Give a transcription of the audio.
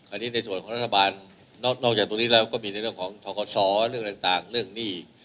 อันนี้ในส่วนของรัฐบาลนอกจากตรงนี้แล้วก็มีในเรื่องของทกศเรื่องต่างเรื่องหนี้